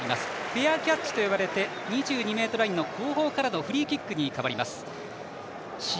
フェアキャッチと呼ばれて２２ｍラインの後方からのフリーキックに変わります。